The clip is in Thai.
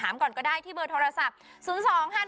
ด้านล่างเป็นสนามฟุตบอลแต่ร้านเขาอยู่ชั้นสองนะคะ